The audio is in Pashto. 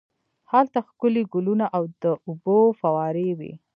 هلته ښکلي ګلونه او د اوبو فوارې وې.